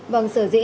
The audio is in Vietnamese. vâng sở dĩ